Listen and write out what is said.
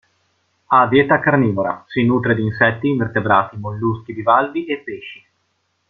Ha dieta carnivora: si nutre di insetti, invertebrati, molluschi bivalvi e pesci.